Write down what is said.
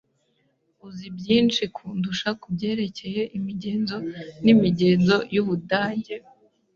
Uzi byinshi kundusha kubyerekeye imigenzo n'imigenzo y'Ubudage.